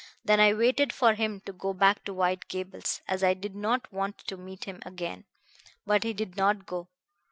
Then I waited for him to go back to White Gables, as I did not want to meet him again. But he did not go.